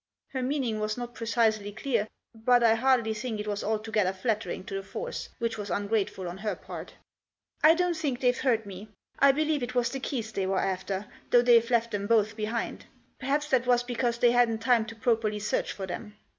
Her meaning was not precisely clear, but I hardly think it was altogether flattering to the force, which was ungrateful on her part " I don't think they've hurt me. I believe it was the keys they were after, though they've left them both behind. Perhaps that was because they hadn't time to properly search for them."